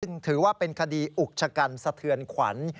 ซึ่งถือว่าเป็นคดีอุกชะกันสะเทือนขวัญ